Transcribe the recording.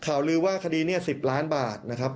ข่าวลือว่าคดีนี้๑๐ล้านบาทนะครับ